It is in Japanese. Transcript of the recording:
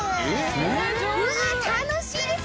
うわあ楽しいです！